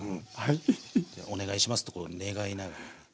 お願いしますとこう願いながら。